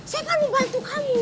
saya kan mau bantu kamu